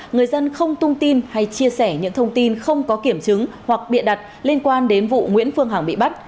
người dân không tung tin hay chia sẻ những thông tin không có kiểm chứng hoặc bịa đặt liên quan đến vụ nguyễn phương hằng bị bắt